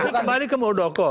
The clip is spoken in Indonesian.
kembali ke murdoko